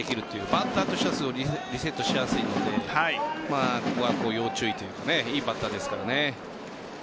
バッターとしてはリセットしやすいのでここは要注意というかいいバッターですからね。